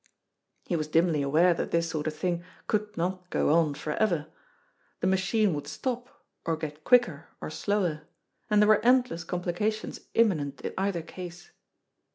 He was dimly aware that this sort of thing could not go on for ever. The machine would stop, or get quicker or slower, and there were endless complications imminent in either case.